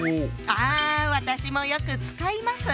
あ私もよく使います！